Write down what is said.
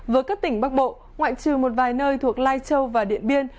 với các tỉnh bắc bộ ngoại trừ một vài nơi thuộc lai châu và điện biên